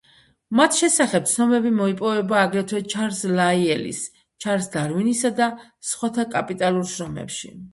მათ შესახებ ცნობები მოიპოვება აგრეთვე ჩარლზ ლაიელის, ჩარლზ დარვინისა და სხვათა კაპიტალურ შრომებში.